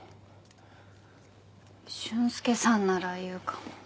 俊介さんなら言うかも。